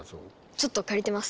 ちょっと借りてます。